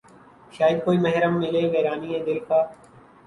شاید کوئی محرم ملے ویرانئ دل کا